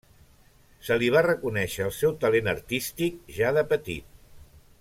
Se li va reconèixer el seu talent artístic ja de petit.